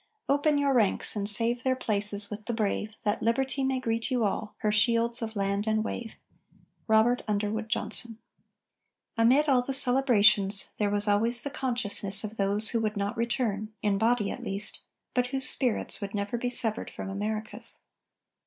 _ Open your ranks and save Their places with the brave, That Liberty may greet you all, her shields of land and wave. ROBERT UNDERWOOD JOHNSON. Amid all the celebrations, there was always the consciousness of those who would not return, in body, at least, but whose spirits would never be severed from America's.